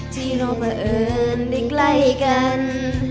ที่โลกประเอิญได้ใกล้กัน